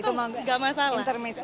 itu enggak masalah